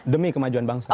demi kemajuan bangsa